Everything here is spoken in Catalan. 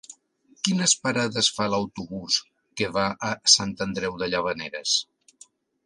Quines parades fa l'autobús que va a Sant Andreu de Llavaneres?